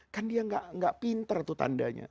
kan dia nggak pinter tuh tandanya